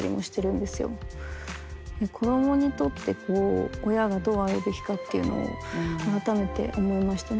子供にとって親がどうあるべきかっていうのを改めて思いましたね。